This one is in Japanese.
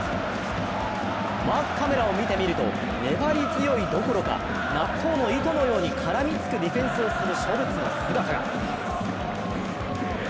マークカメラを見てみると粘り強いどころか納豆の糸のように絡みつくディフェンスをするショルツの姿が！